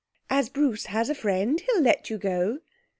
As Bruce has a friend he'll let you go.'